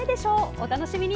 お楽しみに。